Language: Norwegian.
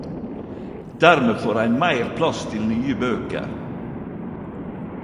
Dermed får ein meir plass til nye bøker..